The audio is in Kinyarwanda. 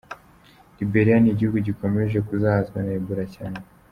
Liberiya ni igihugu gikomeje kuzahazwa na Ebola cyane.